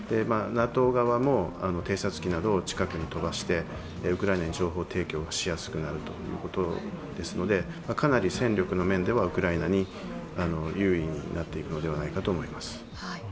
ＮＡＴＯ側も偵察機などを近くに飛ばしてウクライナに情報提供をしやすくなるということですのでかなり戦力の面ではウクライナに優位になっていくのではないかと思います。